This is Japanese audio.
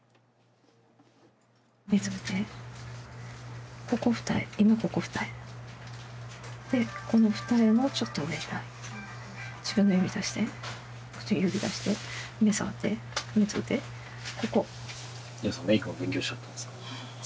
目つぶってここ二重今ここ二重でこの二重のちょっと上にライン自分の指出してこっちの指出して目触って目つぶってここメイクは勉強してあったんですか？